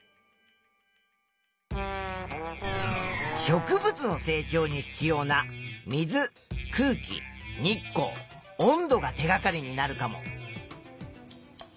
植物の成長に必要な水空気日光温度が手がかりになるかも。